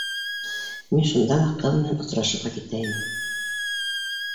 Мин шунда ла ҡыҙ менән осрашыуға китә инем